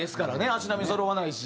足並みそろわないし。